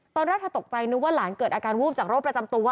ตอนแรกเธอตกใจนึกว่าหลานเกิดอาการวูบจากโรคประจำตัว